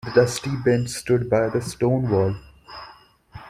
The dusty bench stood by the stone wall.